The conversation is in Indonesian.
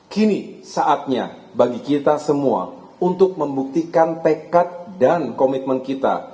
kini saatnya bagi kita semua untuk membuktikan tekad dan komitmen kita